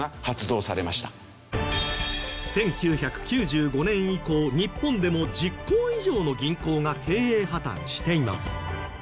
１９９５年以降日本でも１０行以上の銀行が経営破たんしています。